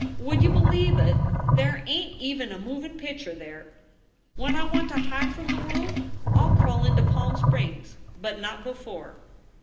Would ya b lieve ut, there ain t even a movin pitcher there. When I want to hide from the worl I ll crawl into Palm Springs, but not before."